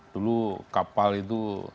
dulu kapal itu